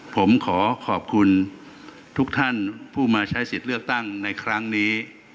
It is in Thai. ผมขอขอบคุณทุกท่านผู้มาใช้สิทธิ์เลือกตั้งในครั้งนี้